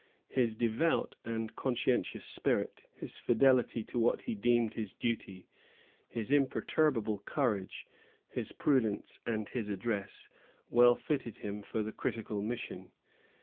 His devout and conscientious spirit, his fidelity to what he deemed his duty, his imperturbable courage, his prudence and his address, well fitted him for the critical mission.